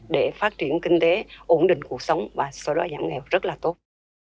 để phát triển kinh tế ổn định cuộc sống và sau đó giảm nghèo rất là tốt